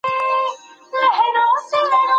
ټولنیزې اړیکې باید نورې هم پیاوړې سي.